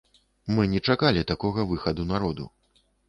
Мы не чакалі такога выхаду народу.